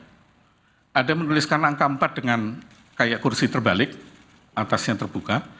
ada menuliskan angka empat dengan kayak kursi terbalik atasnya terbuka